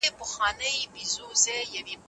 که چېرې عسکر مړه شي نو هېواد به څوک ساتي؟